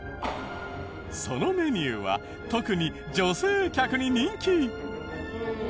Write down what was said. そのメニューは特に女性客に人気。